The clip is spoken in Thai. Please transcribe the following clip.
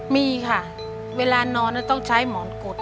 มีค่ะเวลานอนต้องใช้หมอนกด